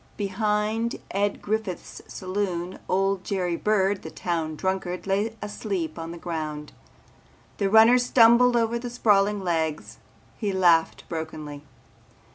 Behind Ed Griffith's saloon old Jerry Bird the town drunkard lay asleep on the ground. The runner stumbled over the sprawling legs. He laughed brokenly.